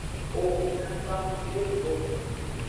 O na du akume go.